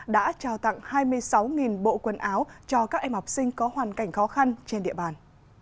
đã trao tặng hai mươi sáu bộ quần áo cho các em học sinh có hoàn cảnh khó khăn trên địa bàn